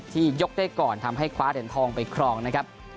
ยกได้ก่อนทำให้คว้าเหรียญทองไปครองนะครับ